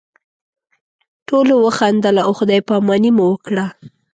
ټولو وخندل او خدای پاماني مو وکړه.